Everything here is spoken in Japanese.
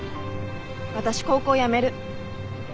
私高校やめる。